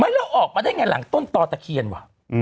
แล้วออกมาได้ไงหลังต้นตอตะเคียนว่ะ